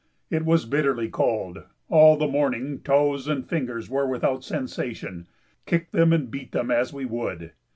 It was bitterly cold; all the morning toes and fingers were without sensation, kick them and beat them as we would.